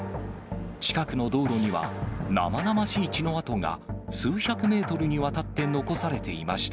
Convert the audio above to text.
近くの道路には生々しい血の跡が数百メートルにわたって残されていました。